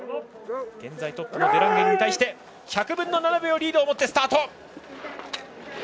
現在トップのデランゲンに対して１００分の７秒のリードを持ってスタート。